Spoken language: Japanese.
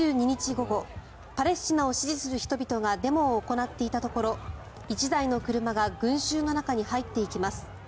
午後パレスチナを支持する人々がデモを行っていたところ１台の車が群集の中に入っていきます。